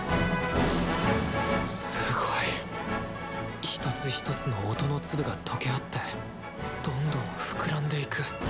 すごい！一つ一つの音の粒が溶け合ってどんどん膨らんでいく。